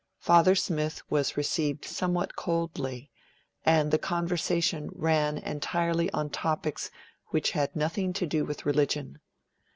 Father Smith was received somewhat coldly, and the conversation ran entirely on topics which had nothing to do with religion.